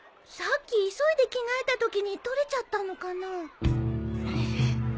さっき急いで着替えたときに取れちゃったのかな。